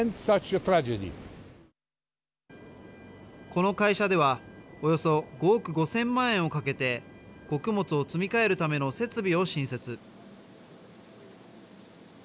この会社ではおよそ５億５０００万円をかけて穀物を積み替えるための設備を新設。